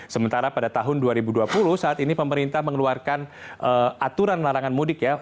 sementara pada tahun dua ribu dua puluh saat ini pemerintah mengeluarkan aturan larangan mudik ya